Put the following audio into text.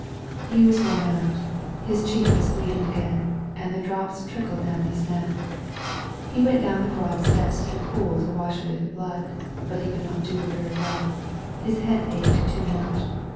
aaim He was worn out. His cheek was bleeding again, lesb^ and the drops trickled down his neck. He went !mii down the broad steps to the pool to wash away the Mii blood. But he could not do it very well. EQshead Qietfc ached too much.